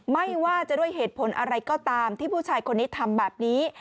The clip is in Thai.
ไม่ว่าจะด้วยเหตุผลอะไรก็ตามที่ผู้ชายคนนี้ทำแบบนี้